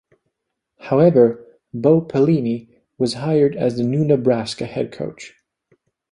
However, Bo Pelini was hired as the new Nebraska head coach.